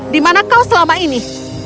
di mana kau selama ini